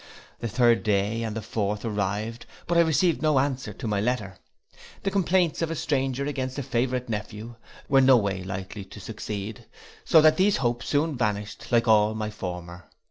The third day and the fourth arrived, but I received no answer to my letter: the complaints of a stranger against a favourite nephew, were no way likely to succeed; so that these hopes soon vanished like all my former.